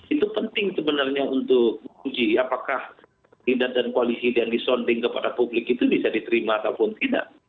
itu penting sebenarnya untuk menguji apakah kidat dan koalisi yang disonding kepada publik itu bisa diterima ataupun tidak